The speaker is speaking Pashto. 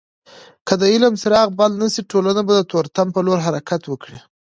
که د علم څراغ بل نسي ټولنه به د تورتم په لور حرکت وکړي.